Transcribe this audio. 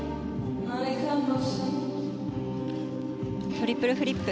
トリプルフリップ。